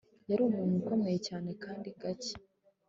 yari umuntu ukomeye cyane kandi gake